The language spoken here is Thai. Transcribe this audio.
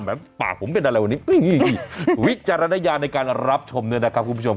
ปากผมเป็นอะไรวันนี้วิจารณญาณในการรับชมด้วยนะครับคุณผู้ชม